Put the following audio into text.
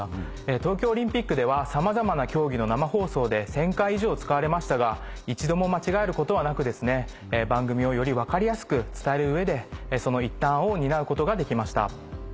東京オリンピックではさまざまな競技の生放送で１０００回以上使われましたが一度も間違えることはなく番組をより分かりやすく伝える上でその一端を担うことができました。